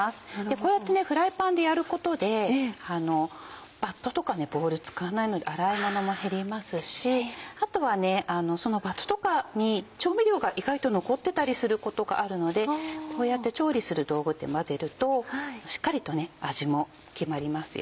こうやってフライパンでやることでバットとかボウル使わないので洗い物も減りますしあとはそのバットとかに調味料が意外と残ってたりすることがあるのでこうやって調理する道具で混ぜるとしっかりと味も決まりますよ。